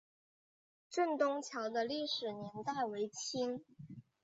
镇东桥的历史年代为清。